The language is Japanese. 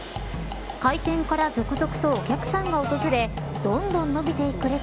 開店から続々とお客さんが訪れどんどん伸びていく列。